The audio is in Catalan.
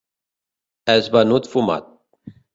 És venut fumat.